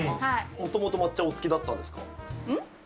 もともと抹茶、お好きだったうん？